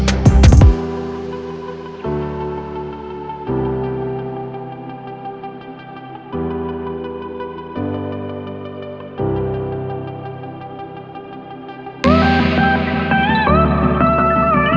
iya grabe prabu